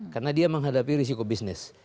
karena dia menghadapi risiko bisnis